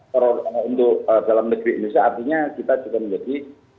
kalau untuk dalam negeri indonesia artinya kita juga menjadi